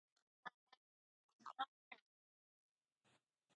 Matin-aw significa un lugar o algo que ver o presenciar en una posición ventajosa.